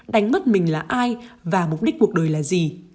đánh mất mình là ai và mục đích cuộc đời là gì